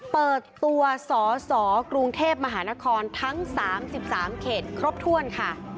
เปิดตัวสสกรุงเทพมหานครทั้ง๓๓เขตครบถ้วนค่ะ